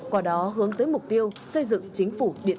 qua đó hướng tới mục tiêu xây dựng chính phủ điện tử